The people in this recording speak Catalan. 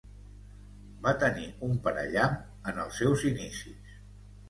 Va tenir un parallamps en els seus inicis.